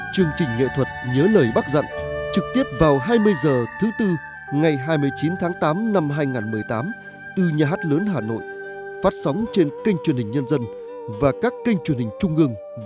chương trình nghệ thuật nhớ lời bác dặn trực tiếp vào hai mươi h thứ tư ngày hai mươi chín tháng tám năm hai nghìn một mươi tám từ nhà hát lớn hà nội phát sóng trên kênh truyền hình nhân dân và các kênh truyền hình trung ương